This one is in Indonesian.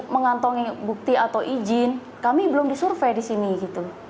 mengantongi bukti atau izin kami belum disurvey di sini gitu